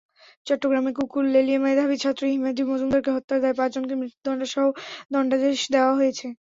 চট্টগ্রামে কুকুর লেলিয়ে মেধাবী ছাত্র হিমাদ্রী মজুমদারকে হত্যার দায়ে পাঁচজনকে মৃত্যুদণ্ডাদেশ দেওয়া হয়েছে।